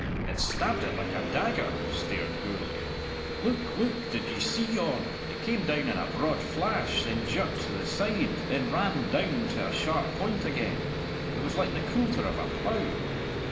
"It stabbed it like a dagger!" stared Gourlay. "Look, look, did ye see yon? It came down in a broad flash then jerked to the side then ran down to a sharp point again. It was like the coulter of a plough."